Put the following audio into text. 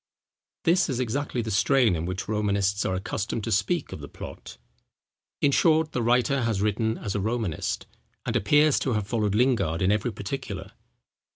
This is exactly the strain in which Romanists are accustomed to speak of the plot. In short, the writer has written as a Romanist, and appears to have followed Lingard in every particular.